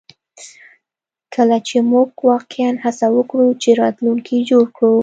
کله چې موږ واقعیا هڅه وکړو چې راتلونکی جوړ کړو